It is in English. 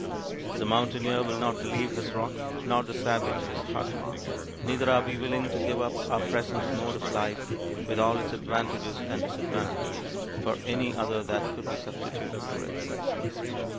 The mountaineer will not leave his rock, nor the savage his hut; neither are we willing to give up our present mode of life, with all its advantages and disadvantages, for any other that could be substituted for it.